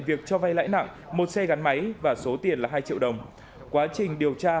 việc cho vay lãi nặng một xe gắn máy và số tiền là hai triệu đồng quá trình điều tra